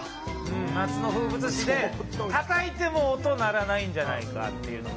夏の風物詩でたたいても音鳴らないんじゃないかっていうのと。